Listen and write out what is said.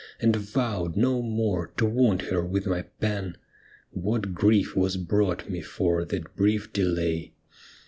And vowed no more to wound her with my pen — What grief was brought me for that brief delay